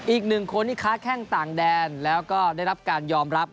อีกหนึ่งคนที่ค้าแข้งต่างแดนแล้วก็ได้รับการยอมรับ